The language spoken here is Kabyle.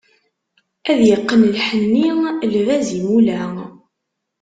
Ad yeqqen lḥenni, lbaz n yimula.